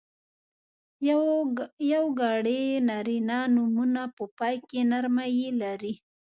یوګړي نرينه نومونه په پای کې نرمه ی لري.